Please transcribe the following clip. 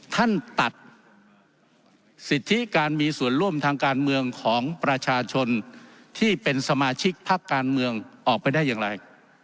ท่านตัดสิทธิการมีส่วนร่วมทางการเมืองของประชาชนที่เป็นสมาชิกพักการเมืองออกไปได้อย่างไร